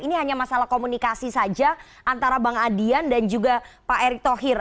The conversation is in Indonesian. ini hanya masalah komunikasi saja antara bang adian dan juga pak erick thohir